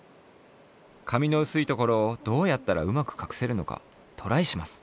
髪の薄いところをどうやったらうまく隠せるのかトライします。